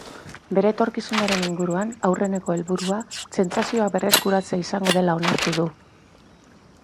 Bere etorkizunaren inguruan, aurreneko helburua sentsazioak berreskuratzea izango dela onartu du.